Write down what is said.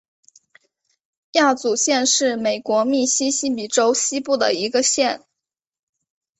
亚祖县是美国密西西比州西部的一个县。